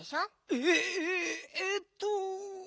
えっ？えっと。